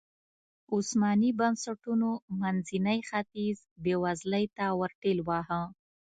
عثماني بنسټونو منځنی ختیځ بېوزلۍ ته ورټېل واهه.